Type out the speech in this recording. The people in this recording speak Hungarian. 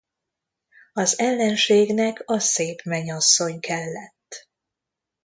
Az ellenségnek a szép menyasszony kellett.